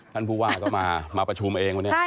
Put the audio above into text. ท่านผู้ว่าก็มาประชุมเองวันนี้